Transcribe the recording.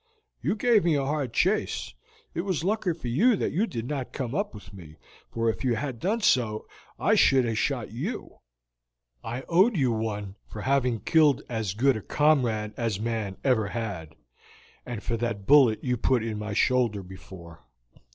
You gave me a hard chase. It was lucky for you that you did not come up with me, for if you had done so I should have shot you; I owed you one for having killed as good a comrade as man ever had, and for that bullet you put in my shoulder before.